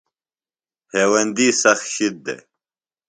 ہیوندی سخت شِد دےۡ۔